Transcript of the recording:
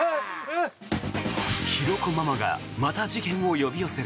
ヒロコママがまた事件を呼び寄せる。